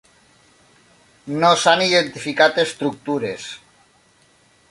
No s'han identificat estructures.